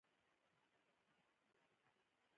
تاریخي متن په لیکلو کې استناد ورباندې وشي.